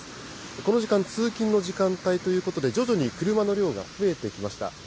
この時間、通勤の時間帯ということで徐々に車の量が増えてきました。